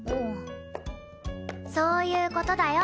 そういう事だよ。